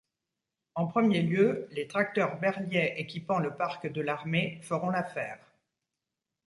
En premier lieu, les tracteurs Berliet équipant le parc de l'armée feront l'affaire.